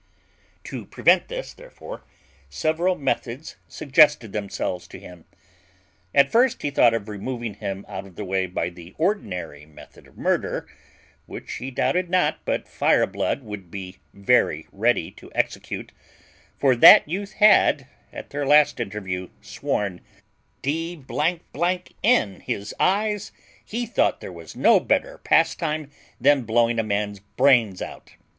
To prevent this, therefore, several methods suggested themselves to him. At first he thought of removing him out of the way by the ordinary method of murder, which he doubted not but Fireblood would be very ready to execute; for that youth had, at their last interview, sworn, D n his eyes, he thought there was no better pastime than blowing a man's brains out.